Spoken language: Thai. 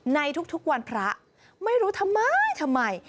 ในทุกวันพระไม่รู้ทำไมทำไม